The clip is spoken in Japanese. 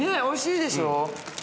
おいしいでしょ。